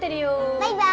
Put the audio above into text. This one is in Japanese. バイバーイ。